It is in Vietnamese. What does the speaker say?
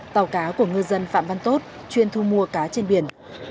tàu cá của ngư dân phạm văn tốt chuyên thu mua cá trên biển